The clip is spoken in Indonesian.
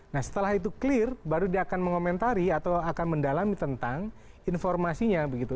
nah setelah itu clear baru dia akan mengomentari atau akan mendalami tentang informasinya begitu